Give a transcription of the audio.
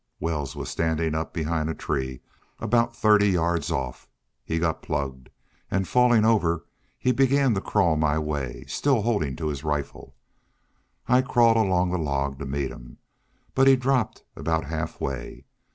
Wells was standin' up behind a tree about thirty yards off. He got plugged, an' fallin' over he began to crawl my way, still holdin' to his rifle. I crawled along the log to meet him. But he dropped aboot half way.